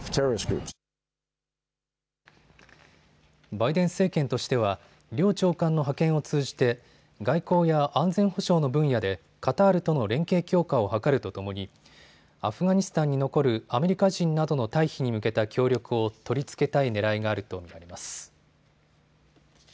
バイデン政権としては両長官の派遣を通じて外交や安全保障の分野でカタールとの連携強化を図るとともにアフガニスタンに残るアメリカ人などの退避に向けた協力を取り付けたいねらいがあると見られます。